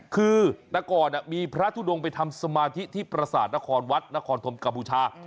คือนักก่อนมีพระธุดงศ์ไปทำสมาธิที่ประศาสตร์นครวัฒน์นครธมกบุชา